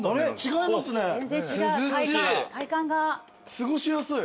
過ごしやすい。